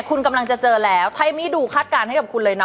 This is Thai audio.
คุณกำลังจะเจอแล้วไทยมี่ดูคาดการณ์ให้กับคุณเลยเน